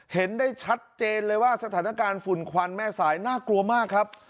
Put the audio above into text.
เห็นได้ชัดเจนเลยว่าสถานการณ์ฝุ่นควันแม่สายน่ากลัวมากครับ